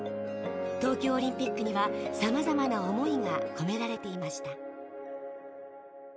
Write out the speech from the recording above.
東京オリンピックにはさまざまな思いが込められていました。